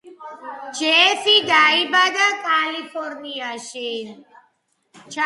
ჯეფი დაიბადა კალიფორნიაში.